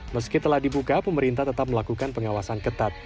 meski telah dibuka pemerintah tetap melakukan pengawasan ketat